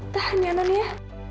tahan ya non ya